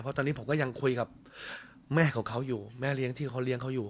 เพราะตอนนี้ผมก็ยังคุยกับแม่ของเขาอยู่แม่เลี้ยงที่เขาเลี้ยงเขาอยู่